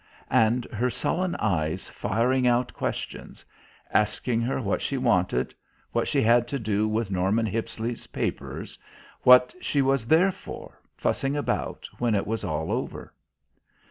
And her sullen eyes firing out questions, asking her what she wanted, what she had to do with Norman Hippisley's papers, what she was there for, fussing about, when it was all over?